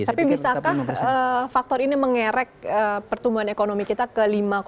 tapi bisakah faktor ini mengerek pertumbuhan ekonomi kita ke lima